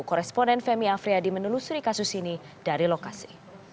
koresponen femi afriyadi menelusuri kasus ini dari lokasi